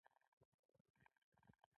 ټولې هڅې ازادي غوښتنې او مبارزو ته وقف شوې.